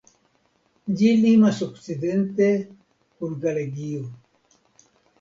Ĝi limas okcidente kun Galegio.